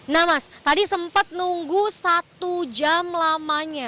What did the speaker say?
nah mas tadi sempat nunggu satu jam lamanya